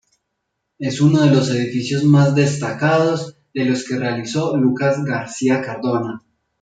Es uno de los edificios más destacados de los que realizó Lucas García Cardona.